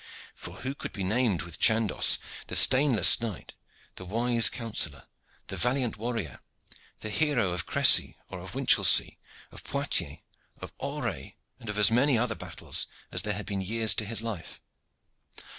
For who could be named with Chandos, the stainless knight, the wise councillor, the valiant warrior, the hero of Crecy, of Winchelsea, of Poictiers, of Auray, and of as many other battles as there were years to his life?